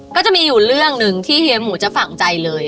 ก็จะมีอยู่เรื่องหนึ่งที่เฮียหมูจะฝังใจเลย